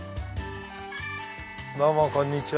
どうもこんにちは。